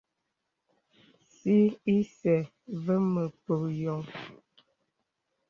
Sì isɛ̂ və mə pək yɔŋ.